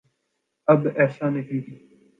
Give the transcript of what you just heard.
اب ایسا نہیں۔